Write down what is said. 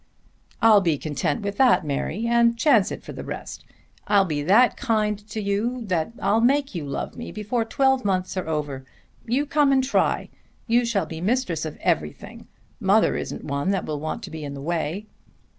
"I'll be content with that, Mary, and chance it for the rest. I'll be that kind to you that I'll make you love me before twelve months are over. You come and try. You shall be mistress of everything. Mother isn't one that will want to be in the way."